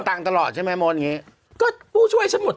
ทำไมเขาชวดชวด